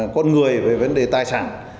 con người về vấn đề tài sản